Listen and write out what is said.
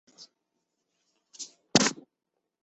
这篇论文是唯一一篇他在世时便已出版成书的着作。